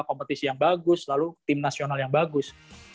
kompetisi yang bagus lalu tim nasional yang bagus